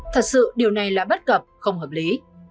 thật sự điều này là bất cập không hợp lý